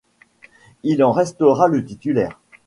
Il en restera le titulaire.